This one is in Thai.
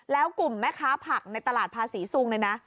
แล้วกลุ่มแม่ค้าผักในตลาดภาษีซุงเนี่ยนะ